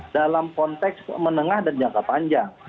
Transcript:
dalam konteks menengah dan jangka panjang